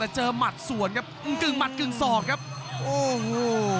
หมัดสวนครับกึ่งหมัดกึ่งศอกครับโอ้โห